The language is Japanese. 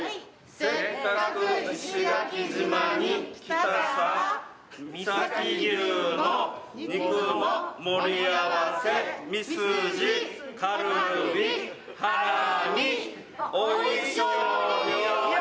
「せっかく石垣島に来たさぁ」「美崎牛の肉の盛り合わせ」「ミスジカルビハラミ」「おいしょうりよ！」